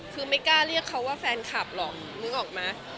คือไม่กล้าเรียกเขาว่าแฟนคลับหรอกนึกออกไหม